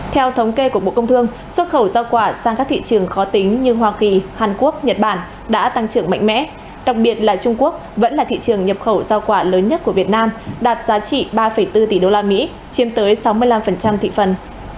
theo thống kê của bộ công thương xuất khẩu giao quả sang các thị trường khó tính như hoa kỳ hàn quốc nhật bản đã tăng trưởng mạnh mẽ đặc biệt là trung quốc vẫn là thị trường nhập khẩu giao quả lớn nhất của việt nam đạt giá trị ba bốn tỷ usd chiếm tới sáu mươi năm thị phần